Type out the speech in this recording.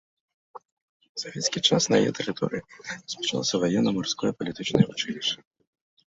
У савецкі час на яе тэрыторыі размяшчалася ваенна-марское палітычнае вучылішча.